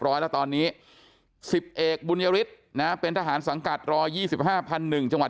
ร้อยแล้วตอนนี้๑๑บุญยฤทธิ์นะเป็นทหารสังกัดรอ๒๕๐๐๐๑จังหวัด